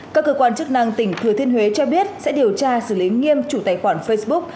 các cơ quan chức năng tỉnh thừa thiên huế cho biết sẽ điều tra xử lý nghiêm chủ tài khoản facebook